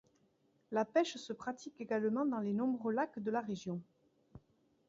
La pêche se pratique également dans les nombreux lacs de la région.